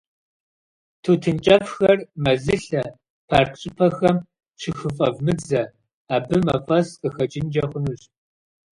Тутын кӀэфхэр мэзылъэ, парк щӀыпӀэхэм щыхыфӀэвмыдзэ, абы мафӏэс къыхэкӏынкӏэ хъунущ.